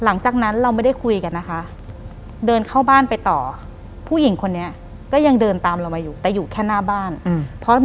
หลังจากนั้นเราไม่ได้คุยกันนะคะเดินเข้าบ้านไปต่อผู้หญิงคนนี้ก็ยังเดินตามเรามาอยู่แต่อยู่แค่หน้าบ้านอืมเพราะ